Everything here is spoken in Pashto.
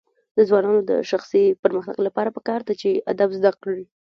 د ځوانانو د شخصي پرمختګ لپاره پکار ده چې ادب زده کړي.